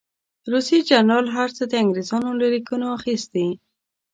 روسي جنرال هر څه د انګرېزانو له لیکنو اخیستي.